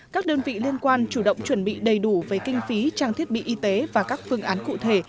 các đơn vị liên quan chủ động chuẩn bị đầy đủ về kinh phí trang thiết bị y tế và các phương án cụ thể